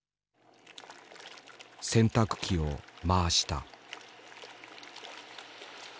洗濯機を回した。